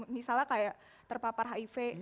misalnya kayak terpapar hiv